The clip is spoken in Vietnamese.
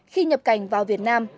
khi nhập cảnh vào việt nam